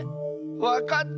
わかった！